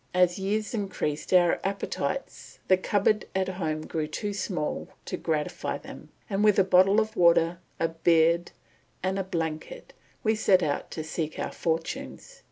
As years increased our appetites the cupboard at home grew too small to gratify them; and with a bottle of water, a bed, and a blanket, we set out to seek our fortunes.